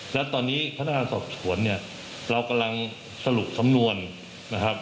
และตอนนี้พนักงานสอบสวนเนี่ยเรากำลังสรุปสำนวนนะครับ